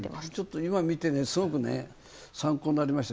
今見てねすごくね参考になりました